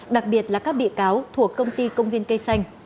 đặc biệt là các bị cáo thuộc công ty công viên cây xanh